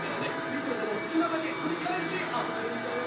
いくらでもすきなだけくりかえしあそべるんだよ！